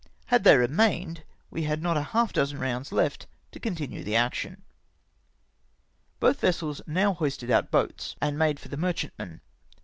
Had they remained, we had not half a dozen rounds left to continue the action. Both vessels now hoisted our boats, and made for the merchantmen.